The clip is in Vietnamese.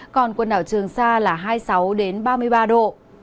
còn quần đảo trường sa là hai mươi sáu ba mươi ba độ